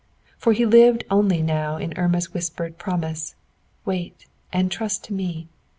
For he lived only now in Irma's whispered promise, "Wait, and trust to me.